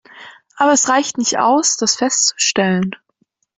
Aber es reicht nicht aus, das festzustellen.